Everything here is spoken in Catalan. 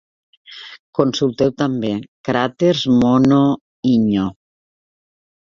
Consulteu també: cràters Mono-Inyo.